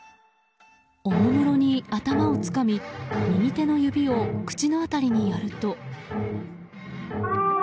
おもむろに頭をつかみ右手の指を口の辺りにやると。